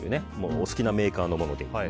お好きなメーカーのもので。